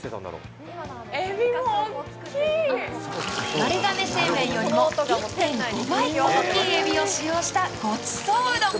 丸亀製麺よりも１．５倍大きいえびを使用したご馳走うどん。